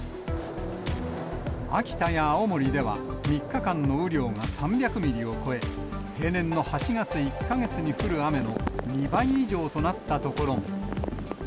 秋田や青森では、３日間の雨量が３００ミリを超え、平年の８月１か月に降る雨の２倍以上となった所も。